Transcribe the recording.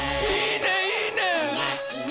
いいねいいね！